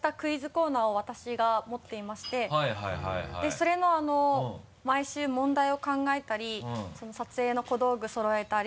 それの毎週問題を考えたり撮影の小道具そろえたり。